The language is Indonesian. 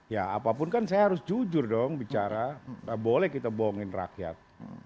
ya apapun kan saya harus jujur dong bicara nggak boleh kita bohongin rakyat